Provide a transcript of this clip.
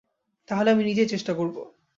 তাহলে আমি নিজেই চেষ্টা করব।